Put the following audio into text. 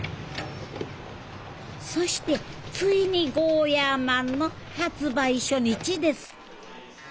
そしてついにゴーヤーマンの発売初日です